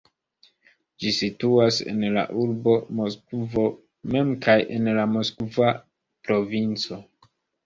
Ĝi situas en la urbo Moskvo mem kaj en la Moskva provinco.